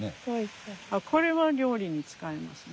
これは料理に使えますね。